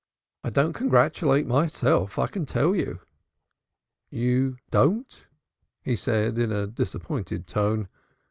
I don't congratulate myself, I can tell you." "You don't?" he said in a disappointed tone.